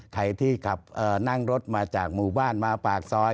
ใครที่ขับนั่งรถมาจากหมู่บ้านมาปากซอย